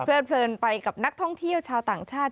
เพลินไปกับนักท่องเที่ยวชาวต่างชาติ